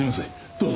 どうぞ。